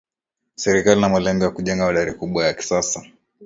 Serikali ina malengo ya kujenga bandari kubwa ya kisasa